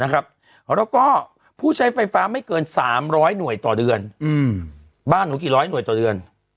แล้วก็ผู้ใช้ไฟฟ้าไม่เกิน๓๐๐หน่วยต่อเดือนบ้านหนูกี่ร้อยหน่วยต่อเดือน